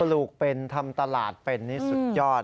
ลูกเป็นทำตลาดเป็นนี่สุดยอด